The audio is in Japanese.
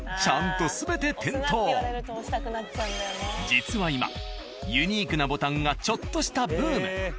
実は今ユニークなボタンがちょっとしたブーム。